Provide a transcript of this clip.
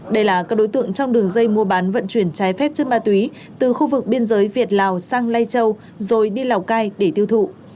đây là các đối tượng trong đường dây mua bán vận chuyển trái phép chất ma túy từ khu vực biên giới việt lào sang lai châu rồi đi lào cai để tiêu thụ